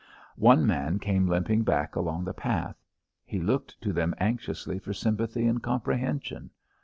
One man came limping back along the path. He looked to them anxiously for sympathy and comprehension.